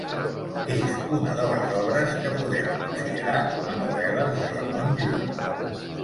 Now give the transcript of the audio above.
És una de les obres que podem considerar com a novel·les de Ramon Llull.